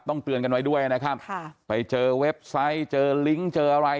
เตือนกันไว้ด้วยนะครับค่ะไปเจอเว็บไซต์เจอลิงก์เจออะไร